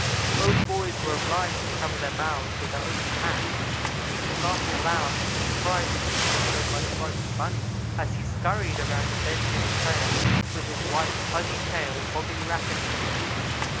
Both boys were obliged to cover their mouths with their open hands to keep from laughing aloud at the surprise and speed shown by the frightened bunny, as he scurried around a bend in the trail, with his white, pudgy tail bobbing rapidly.